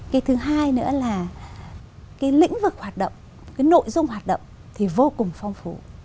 cái thứ hai nữa là cái lĩnh vực hoạt động cái nội dung hoạt động thì vô cùng phong phú